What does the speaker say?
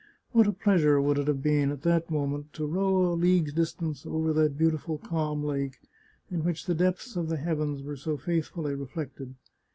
What a pleasure would it have been, at that moment, to row a league's distance over that beautiful calm lake, in which the depths of the heavens were so faithfully reflected